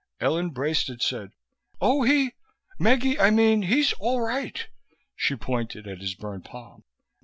Ellen Braisted said, "Oh, he Meggie, I mean, he's all right." She pointed at his burned palm.